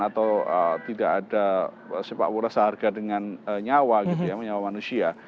atau tidak ada sepak bola seharga dengan nyawa nyawa manusia